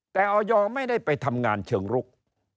แต่ออยไม่ได้ไปทำงานเชิงลุก